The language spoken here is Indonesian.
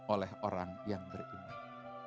oleh orang yang beriman